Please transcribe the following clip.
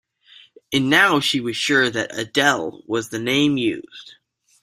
And now she was sure that Adele was the name used.